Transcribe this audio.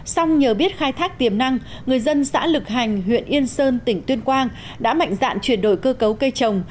xong nhờ biết khai thác tiềm năng người dân xã lực hành huyện yên sơn tỉnh tuyên quang đã mạnh dạn chuyển đổi cơ cấu cây trồng